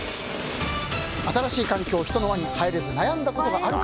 新しい環境、人の輪に入れずに悩んだことがあるか。